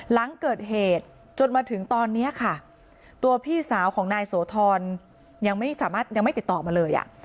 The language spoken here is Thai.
หลังเกิดเหตุจนมาถึงตอนนี้ค่ะตัวพี่สาวของนายโสธรยังไม่สามารถยังไม่ติดต่อมาเลยอ่ะ